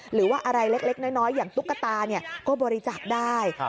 หรือว่าอะไรเล็กน้อยอย่างตุ๊กตาก็บริจาคได้